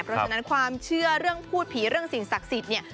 เพราะฉะนั้นความเชื่อเรื่องพูดผีเรื่องสิ่งศักดิ์สิทธิ์เนี่ย